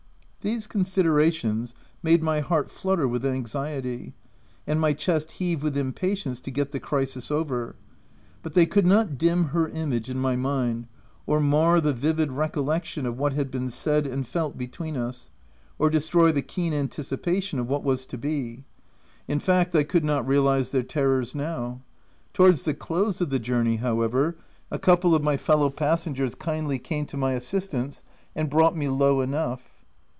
These con siderations made my heart flutter with anxiety, and my chest heave with impatience to get the crisis over, but they could not dim her image in my mind, or mar the vivid recollection of what had been said and felt between us — or destroy the keen anticipation of what was to be — in fact, I could not realize their terrors now. Towards the close of the journey, how ever, a couple of my fellow passengers kindly came to my assistance, and brought me low enough.